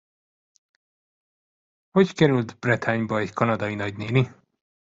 Hogy került Bretagne-ba egy kanadai nagynéni?